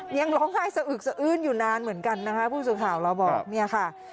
ยังร้องไห้สะอึกสะอื้นอยู่นานเหมือนกันนะคะผู้สื่อข่าวเราบอกเนี่ยค่ะ